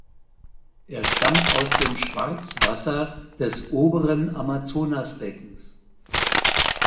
Er stammt aus dem Schwarzwasser des oberen Amazonasbeckens.